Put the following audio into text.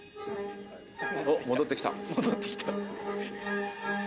おっ戻ってきた。